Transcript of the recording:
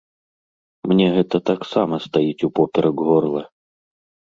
Мне гэта таксама стаіць упоперак горла.